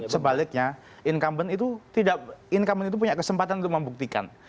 sebaliknya incumbent itu punya kesempatan untuk membuktikan